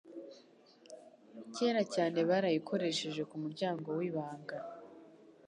kera cyane barayikoresheje kumuryango wibanga